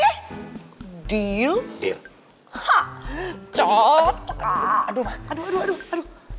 aduh aduh aduh aduh aduh aduh aduh aduh aduh aduh aduh aduh